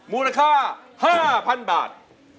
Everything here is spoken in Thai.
มูลค่า๕๐๐๐บาท